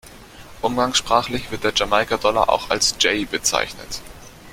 Umgangssprachlich wird der Jamaika-Dollar auch als „Jay“ bezeichnet.